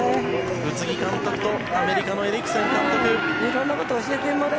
宇津木監督とアメリカのエリクセン監督。